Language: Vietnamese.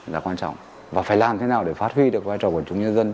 là quan trọng và phải làm thế nào để phát huy được vai trò của quân chủ nhân dân